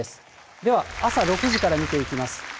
では朝６時から見ていきます。